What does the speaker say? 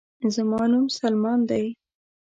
زما نوم سلمان دے